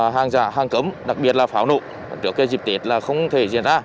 hàng giả hàng cấm đặc biệt là pháo nổ trước khi dịp tiết là không thể diễn ra